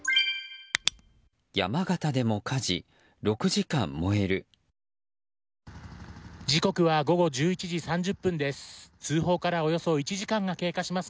時刻は午後１１時３０分です。